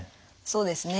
そうですね。